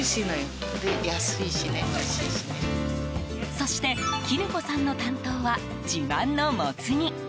そして絹子さんの担当は自慢のもつ煮。